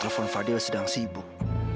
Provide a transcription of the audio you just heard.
telepon fadil sedang sibuk